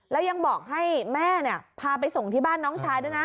แล้วยังบอกให้แม่พาไปส่งที่บ้านน้องชายด้วยนะ